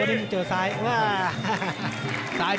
วันนี้เดี่ยงไปคู่แล้วนะพี่ป่านะ